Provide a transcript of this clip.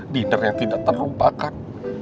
dinnernya tidak terlompak kan